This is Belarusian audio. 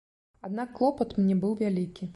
Аднак клопат мне быў вялікі.